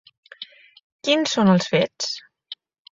Quin són els fets?